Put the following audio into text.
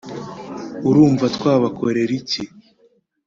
urumva twabakorera iki?